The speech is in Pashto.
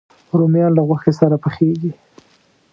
رومیان له غوښې سره پخېږي